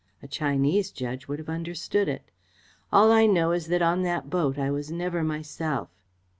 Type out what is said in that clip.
A Chinese judge would have understood it. All I know is that on that boat I was never myself."